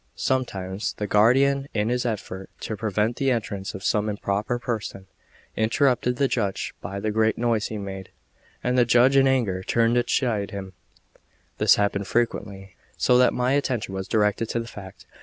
Sometimes the guardian, in his effort to prevent the entrance of some improper person, interrupted the judge by the great noise he made, and the judge in anger turned to chide him. This happened frequently, so that my attention was directed to the fact.